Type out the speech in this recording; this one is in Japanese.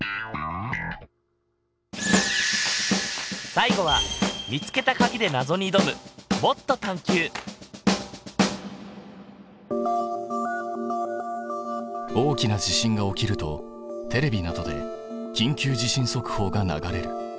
最後は見つけたかぎでなぞにいどむ大きな地震が起きるとテレビなどで「緊急地震速報」が流れる。